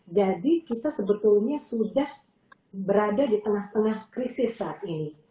jadi kita sebetulnya sudah berada di tengah tengah krisis saat ini